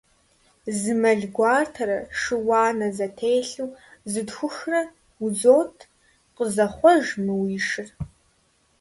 Зы мэл гуартэрэ шы уанэ зэтелъу зытхухрэ узот, къызэхъуэж мы уи шыр!